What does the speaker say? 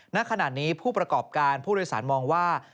ณขณะนี้ผู้ประกอบการผู้โดยสารมองว่า